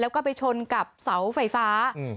แล้วก็ไปชนกับเสาไฟฟ้า